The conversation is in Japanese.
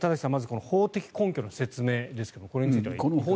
この法的根拠の説明ですがこれについてはいかがですか？